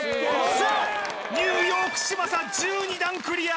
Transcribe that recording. ニューヨーク嶋佐１２段クリア！